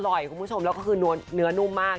คุณผู้ชมแล้วก็คือเนื้อนุ่มมาก